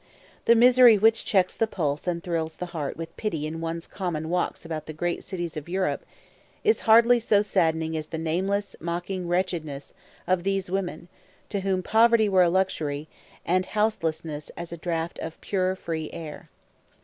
The misery which checks the pulse and thrills the heart with pity in one's common walks about the great cities of Europe is hardly so saddening as the nameless, mocking wretchedness of these women, to whom poverty were a luxury, and houselessness as a draught of pure, free air.